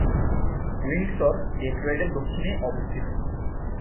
Windsor ডেট্রয়েটের দক্ষিণে অবস্থিত।